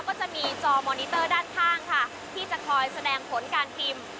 ก็จะมีจอมอนิเตอร์ด้านข้างค่ะที่จะคอยแสดงผลการพิมพ์